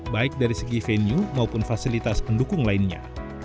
baik dari segi venue maupun fasilitas pendukung lainnya